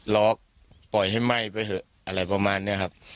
ล็อกปล่อยให้ไหม้ไปเถอะอะไรประมาณนี้ครับ